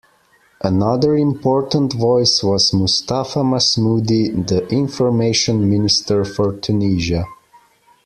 Another important voice was Mustapha Masmoudi, the Information Minister for Tunisia.